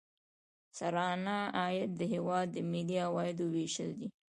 سرانه عاید د هیواد د ملي عوایدو ویشل دي.